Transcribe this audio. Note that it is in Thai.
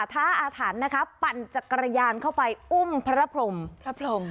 ท้าอาธรรมปั่นจักรยานเข้าไปอุ้มพระพรหม